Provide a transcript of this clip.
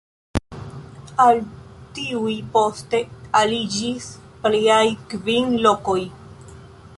Al tiuj poste aliĝis pliaj kvin lokoj.